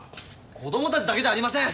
子どもたちだけじゃありません。